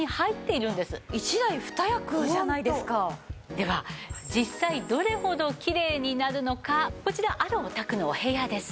では実際どれほどきれいになるのかこちらあるお宅のお部屋です。